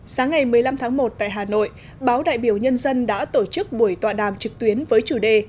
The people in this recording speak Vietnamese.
sáng ngày một mươi năm tháng một tại hà nội báo đại biểu nhân dân đã tổ chức buổi tọa đàm trực tuyến với chủ đề